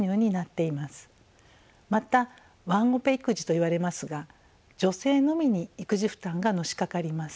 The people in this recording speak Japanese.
またワンオペ育児といわれますが女性のみに育児負担がのしかかります。